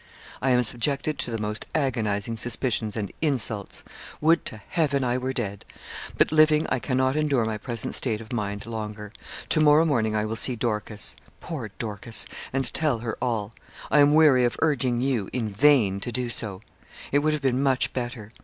I am subjected to the most agonising suspicions and insults. Would to Heaven I were dead! But living, I cannot endure my present state of mind longer. To morrow morning I will see Dorcas poor Dorcas! and tell her all. I am weary of urging you, in vain, to do so. It would have been much better.